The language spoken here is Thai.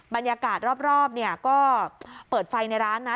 บรรยากาศรอบเนี่ยก็เปิดไฟในร้านนะ